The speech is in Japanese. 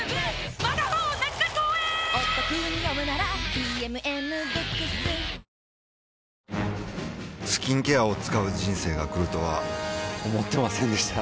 スキンケアを使う人生が来るとは思ってませんでした